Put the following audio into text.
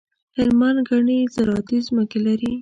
هلمند ګڼي زراعتي ځمکي لري.